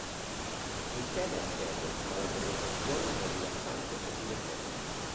Il tema è serio, ma la presentazione è rilassante e divertente.